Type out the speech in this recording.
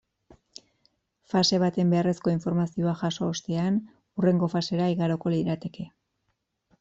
Fase baten beharrezko informazioa jaso ostean, hurrengo fasera igaroko lirateke.